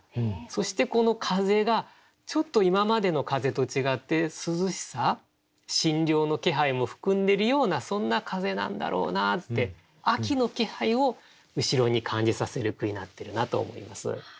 そしてこの風がちょっと今までの風と違って涼しさ新涼の気配も含んでるようなそんな風なんだろうなって秋の気配を後ろに感じさせる句になってるなと思います。